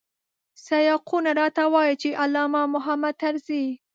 سیاقونه راته وايي چې علامه محمود طرزی.